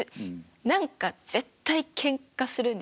何か絶対けんかするんです。